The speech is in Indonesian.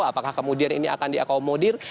apakah kemudian ini akan diakomodir